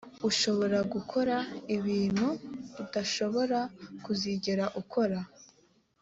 ushobora gukora ibintu udashobora kuzigera ukora